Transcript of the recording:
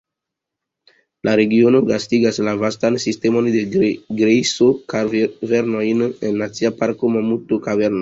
La regiono gastigas la vastan sistemon de grejso-kavernojn en Nacia Parko Mamuto-Kaverno.